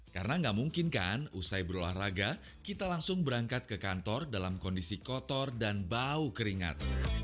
karena gak mungkin kan usai berolahraga kita langsung berangkat ke kantor dalam kondisi kotor dan bau keringat